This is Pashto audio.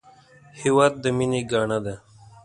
هېواد د مینې ګاڼه ده